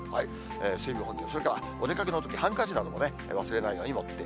水分補給、それからお出かけのとき、ハンカチなどもね、忘れないように。